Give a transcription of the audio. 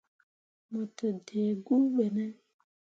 Mo te dǝǝ guu ɓe ne ?